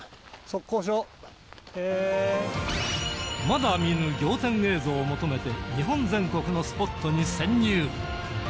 まだ見ぬ仰天映像を求めて日本全国のスポットに潜入